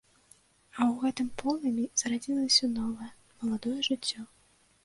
А ў гэтым полымі зарадзілася новае, маладое жыццё.